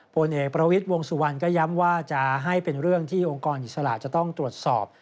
ผลเอกประวิทย์วงสุวรรณก็ย้ำว่าจะให้เป็นเรื่องที่องค์กรอิสระจะต้องตรวจสอบ